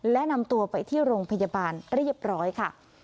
และนำตัวไปที่โรงพยาบาลเรียบร้อยค่ะ